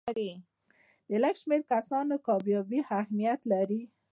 د لږ شمېر کسانو کامیابي اهمیت لري.